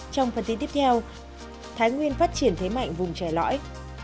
trong phần tiếp theo thái nguyên phát triển thế mạnh vùng trẻ lõi